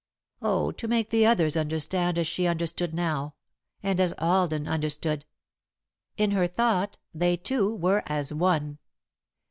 Oh, to make the others understand as she understood now and as Alden understood! In her thought they two were as one.